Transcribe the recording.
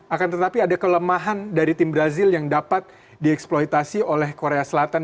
akan tetapi ada kelemahan dari tim brazil yang dapat dieksploitasi oleh korea selatan